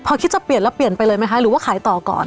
พอคิดจะเปลี่ยนแล้วเปลี่ยนไปเลยไหมคะหรือว่าขายต่อก่อน